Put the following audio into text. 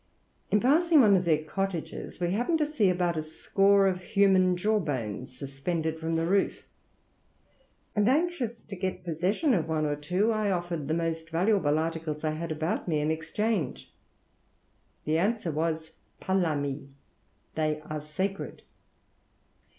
In passing one of their cottages we happened to see about a score of human jawbones suspended from the roof, and anxious to get possession of one or two, I offered the most valuable articles I had about me in exchange. The answer was, 'palami,' they are sacred.